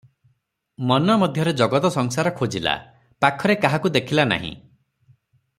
ମନ ମଧ୍ୟରେ ଜଗତ ସଂସାର ଖୋଜିଲା, ପାଖରେ କାହାକୁ ଦେଖିଲା ନାହିଁ ।